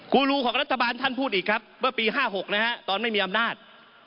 ูรูของรัฐบาลท่านพูดอีกครับเมื่อปี๕๖นะฮะตอนไม่มีอำนาจ